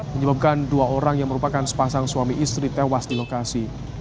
menyebabkan dua orang yang merupakan sepasang suami istri tewas di lokasi